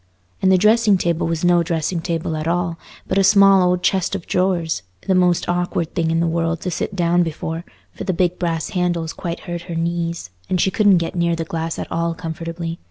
And the dressing table was no dressing table at all, but a small old chest of drawers, the most awkward thing in the world to sit down before, for the big brass handles quite hurt her knees, and she couldn't get near the glass at all comfortably.